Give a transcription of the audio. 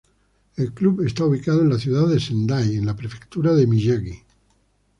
El club está ubicado en la ciudad de Sendai, en la prefectura de Miyagi.